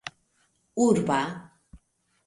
urba